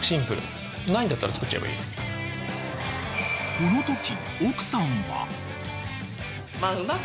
［このとき］